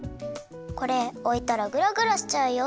これおいたらグラグラしちゃうよ。